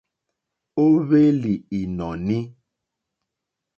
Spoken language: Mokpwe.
Ó hwélì ìnɔ̀ní.